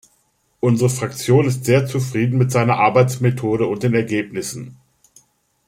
Unsere Fraktion ist sehr zufrieden mit seiner Arbeitsmethode und den Ergebnissen.